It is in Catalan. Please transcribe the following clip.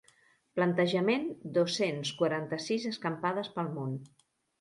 Plantejament dos-cents quaranta-sis escampades pel món.